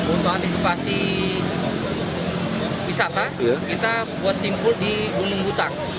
untuk antisipasi wisata kita buat simpul di gunung butang